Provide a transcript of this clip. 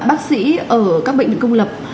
bác sĩ ở các bệnh viện công lập